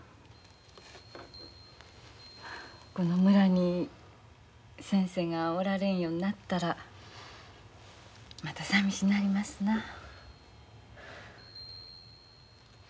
この村に先生がおられんようになったらまたさみしなりますな。